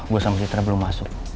gue sama citra belum masuk